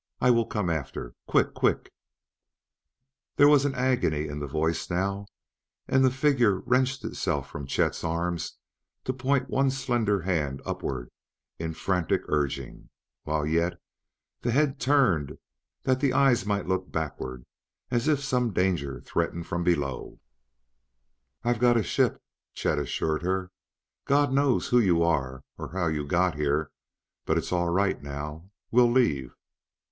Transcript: I will come after. Quick! Quick!" There was agony in the voice now, and the figure wrenched itself from Chet's arms to point one slender hand upward in frantic urging, while yet the head turned that the eyes might look backward as if some danger threatened from below. "I've got a ship," Chet assured her. "God knows who you are or how you got here, but it's all right now. We'll leave."